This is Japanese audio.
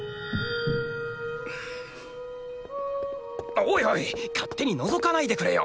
おいおい勝手にのぞかないでくれよ。